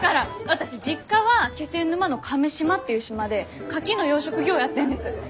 私実家は気仙沼の亀島っていう島でカキの養殖業をやってんです。